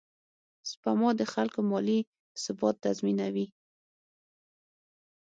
سپما د خلکو مالي ثبات تضمینوي.